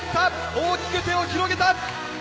大きく手を広げた！